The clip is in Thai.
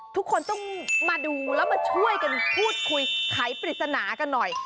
ทุกคนต้องมาดูแล้วมาช่วยกันพูดคุยไขปริศนากันหน่อย